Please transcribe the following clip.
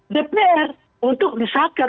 dpr untuk disahkan